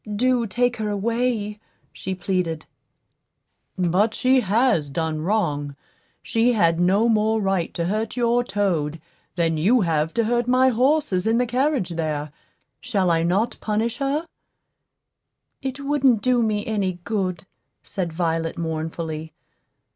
Do take her away," she pleaded. "But she has done wrong; she had no more right to hurt your toad than you have to hurt my horses in the carriage there. Shall I not punish her?" "It wouldn't do me any good," said Violet, mournfully.